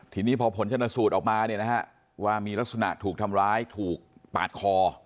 ทีนี้พอผลชนสูตรออกมาเนี่ยนะฮะว่ามีลักษณะถูกทำร้ายถูกปาดคอ